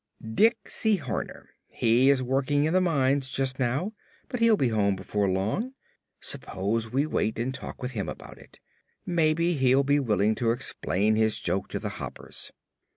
"Diksey Horner. He is working in the mines, just now, but he'll be home before long. Suppose we wait and talk with him about it? Maybe he'll be willing to explain his joke to the Hoppers."